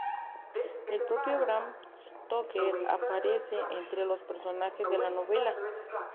El propio Bram Stoker aparece entre los personajes de la novela.